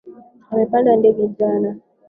Amepanda ndege jana